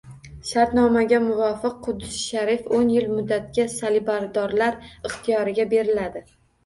Shartnomaga muvofiq Quddusi Sharif o'n yil muddatga salibbardorlar ixtiyoriga beriladi